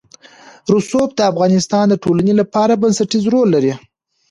رسوب د افغانستان د ټولنې لپاره بنسټيز رول لري.